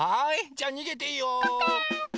じゃあにげていいよ！